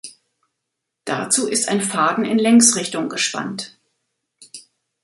Dazu ist ein Faden in Längsrichtung gespannt.